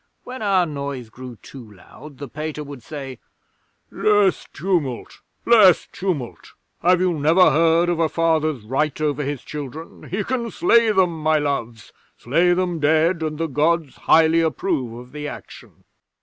When our noise grew too loud the Pater would say, "Less tumult! Less tumult! Have you never heard of a Father's right over his children? He can slay them, my loves slay them dead, and the Gods highly approve of the action!"